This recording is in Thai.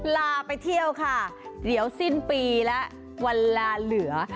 ลาไปเที่ยวค่ะเดี๋ยวสิ้นปีแล้ววันลาเหลือ